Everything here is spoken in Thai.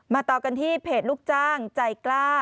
ต่อกันที่เพจลูกจ้างใจกล้า